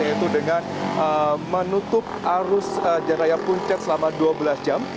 yaitu dengan menutup arus jalan raya puncak selama dua belas jam